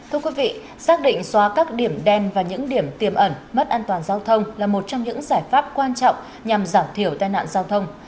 thưa quý vị xác định xóa các điểm đen và những điểm tiềm ẩn mất an toàn giao thông là một trong những giải pháp quan trọng nhằm giảm thiểu tai nạn giao thông